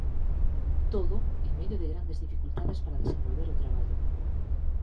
Todo, en medio de grandes dificultades para desenvolver o traballo.